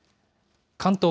関東